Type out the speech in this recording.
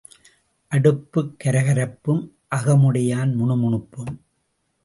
அடுப்புக் கரகரப்பும் அகமுடையான் முணுமுணுப்பும்.